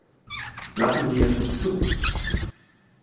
Lassen Sie es nicht zu!